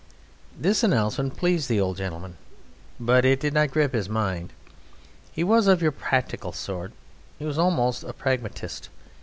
This announcement pleased the old gentleman, but it did not grip his mind. He was of your practical sort. He was almost a Pragmatist.